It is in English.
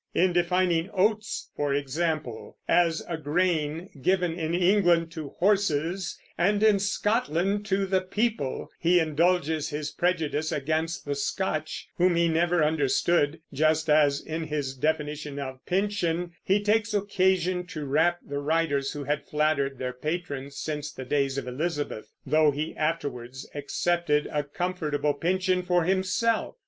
In defining "oats," for example, as a grain given in England to horses and in Scotland to the people, he indulges his prejudice against the Scotch, whom he never understood, just as, in his definition of "pension," he takes occasion to rap the writers who had flattered their patrons since the days of Elizabeth; though he afterwards accepted a comfortable pension for himself.